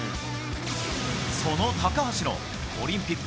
その高橋のオリンピック